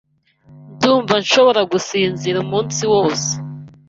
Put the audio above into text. Ndumva nshobora gusinzira umunsi wose.